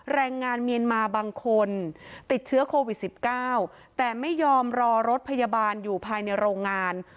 แรงงานเมียนมาบางคนติดเชื้อโควิด๑๙แต่ไม่ยอมรอรถพยาบาลอยู่ภายในโรงงาน